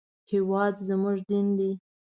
هېواد زموږ دین دی